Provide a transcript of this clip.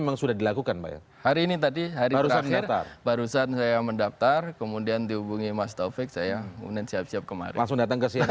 langsung datang ke cnn prime news begitu ya